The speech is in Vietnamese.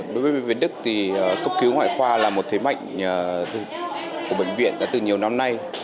đối với bệnh viện đức thì cấp cứu ngoại khoa là một thế mạnh của bệnh viện đã từ nhiều năm nay